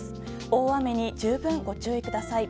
大雨に十分ご注意ください。